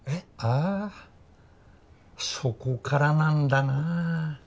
あそこからなんだな